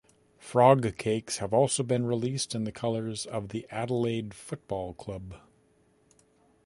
Frog cakes have also been released in the colours of the Adelaide Football Club.